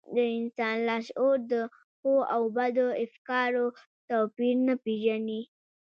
د انسان لاشعور د ښو او بدو افکارو توپير نه پېژني.